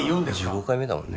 １５回目だもんね